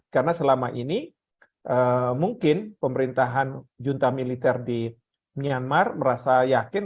karena selama ini mungkin pemerintahan junta militer di myanmar merasa yakin